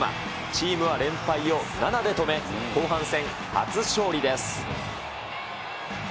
チームは連敗を７で止め、後半戦初勝利です。